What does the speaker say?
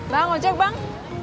bang ojek bang